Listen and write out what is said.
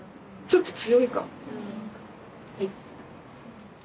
ちょっと強いかも。